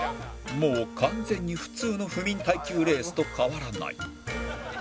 もう完全に普通の不眠耐久レースと変わらない